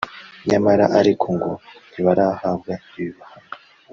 nyamara ariko ngo ntibarahabwa ibihano